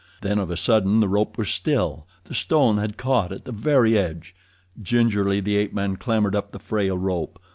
Then of a sudden the rope was still—the stone had caught at the very edge. Gingerly the ape man clambered up the frail rope.